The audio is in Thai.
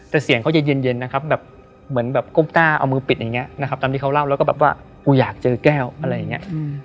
แต่เสียงเขาเย็นนะครับแบบเหมือนแบบก้มต้าเอามือปิดอย่างนี้นะครับตามที่เขาเล่าแล้วก็แบบว่ากูอยากเจอแก้วอะไรอย่างนี้